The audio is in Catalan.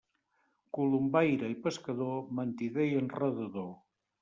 Colombaire i pescador, mentider i enredador.